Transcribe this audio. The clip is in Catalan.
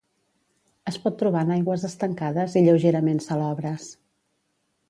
Es pot trobar en aigües estancades i lleugerament salobres.